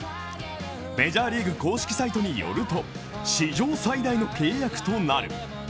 メジャーリーグ公式サイトによると、「史上最大の契約となる」。